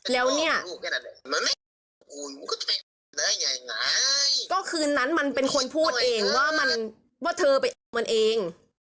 แล้วเนี้ยมันไม่เลยไงก็คืนนั้นมันเป็นคนพูดเองว่ามัน